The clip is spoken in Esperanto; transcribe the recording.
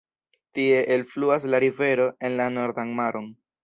Tie elfluas la rivero en la Nordan Maron.